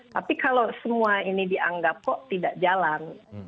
tapi kalau semua ini dianggap kok tidak jalan